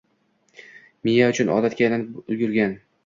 Miya uchun odatga aylanib ulgurgan